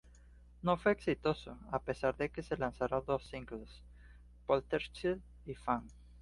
No fue exitoso, a pesar de que se lanzaron dos singles, "Poltergeist" y "Fan".